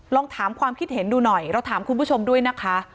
ลองถามความคิดเห็นดูหน่อยเราถามคุณผู้ชมด้วยนะคะ